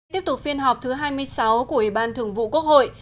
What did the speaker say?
tiếp tục phiên họp thứ hai mươi sáu của ủy ban thường vụ quốc hội